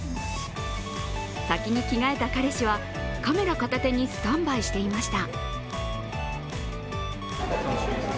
先に着替えた彼氏はカメラ片手にスタンバイしていました。